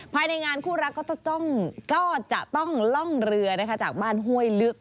ภายในงานคู่รักก็จะต้องล่องเรือจากบ้านห้วยลึก